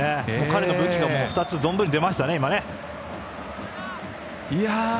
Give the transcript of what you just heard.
彼の武器が２つ存分に出ましたね。